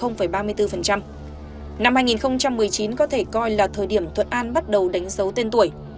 năm hai nghìn một mươi chín có thể coi là thời điểm thuận an bắt đầu đánh dấu tên tuổi